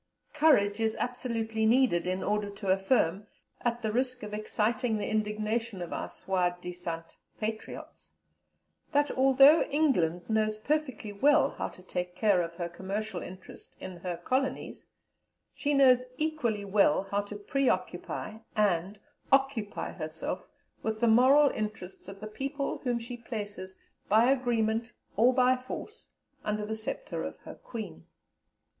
Courage is absolutely needed in order to affirm, at the risk of exciting the indignation of our soi disant patriots, that although England knows perfectly well how to take care of her commercial interests in her colonies, she knows equally well how to pre occupy and occupy herself with the moral interests of the people whom she places by agreement or by force under the sceptre of her Queen.